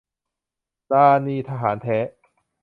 ราณี ทหารแท้